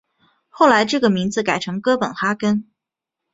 后来这个名字改成哥本哈根。